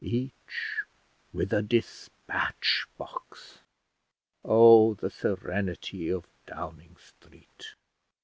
each with a despatch box! Oh, the serenity of Downing Street!